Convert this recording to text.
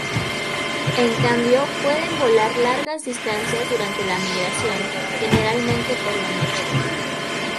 En cambio, pueden volar largas distancias durante la migración, generalmente por la noche.